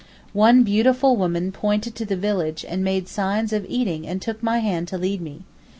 One beautiful woman pointed to the village and made signs of eating and took my hand to lead me.